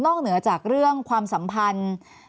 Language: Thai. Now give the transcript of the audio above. เหนือจากเรื่องความสัมพันธ์